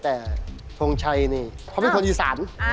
แต่ทงชัยนี่เขาเป็นคนอีสาน